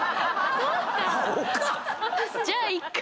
じゃあいっか。